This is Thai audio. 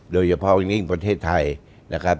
โดยเฉพาะอันนี้ประเทศไทยนะครับ